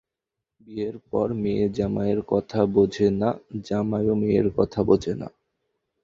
বিয়ের পর মেয়ে জামাইয়ের কথা বোঝে না, জামাইও মেয়ের কথা বোঝে না।